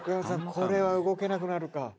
これは動けなくなるか？